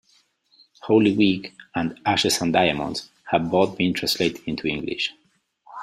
"Holy Week" and "Ashes and Diamonds" have both been translated into English.